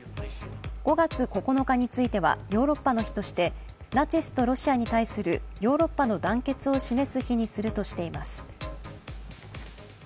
５月９日についてはヨーロッパの日としてナチスとロシアに対するヨーロッパの団結を示す日にするとしています。